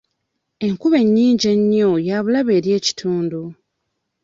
Enkuba ennyingi ennyo ya bulabe eri ekitundu.